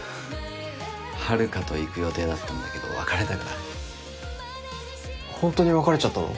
遥と行く予定だったんだけど別れたからホントに別れちゃったの？